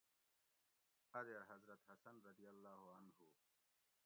اۤ دیر حضرت حسن رضی اللّٰہ عنہُ